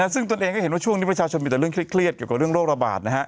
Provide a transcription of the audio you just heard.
ซึ่งตนเองก็เห็นว่าช่วงนี้ประชาชนมีแต่เรื่องเครียดเกี่ยวกับเรื่องโรคระบาด